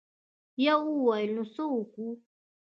يوه وويل: نو څه وکو؟